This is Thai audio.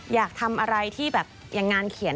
อยากทำอะไรที่แบบอย่างงานเขียน